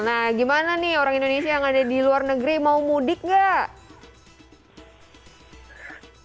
nah gimana nih orang indonesia yang ada di luar negeri mau mudik nggak